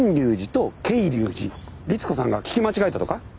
りつ子さんが聞き間違えたとか？